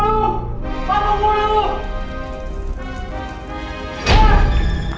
itu penting buat hidup aku